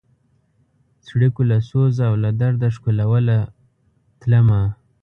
څړیکو له سوزه او له درده ښکلوله تلمه